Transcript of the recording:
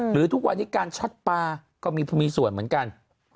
ทุกวันนี้การช็อตปลาก็มีส่วนเหมือนกัน